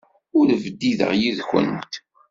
Ur bdideɣ yid-went.